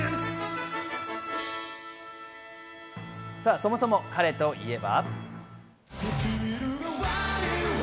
そもそも彼といえば。